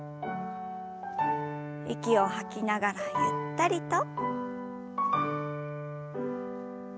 息を吐きながらゆったりと。